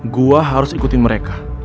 gue harus ikutin mereka